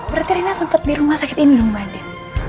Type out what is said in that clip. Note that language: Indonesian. berarti rina sempat di rumah sakit ini dong mbak din